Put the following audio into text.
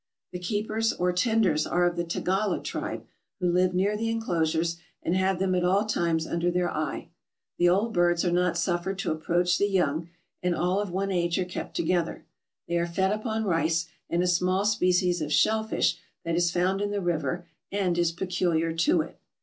The keepers or tenders are of the Tagala tribe, who live near the inclosures, and have them at all times under their eye. The old birds are not suffered to approach the young, and all of one age are kept together. They are fed upon rice and a small species of shell fish that is found in the river and is peculiar to it.